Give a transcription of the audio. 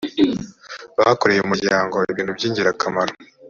bakoreye umuryango ibintu by’ingirakamaro